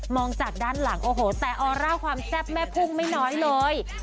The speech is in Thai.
จากด้านหลังโอ้โหแต่ออร่าความแซ่บแม่พุ่งไม่น้อยเลย